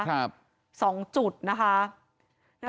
กังฟูเปล่าใหญ่มา